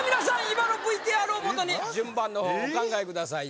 今のＶＴＲをもとに順番の方お考えください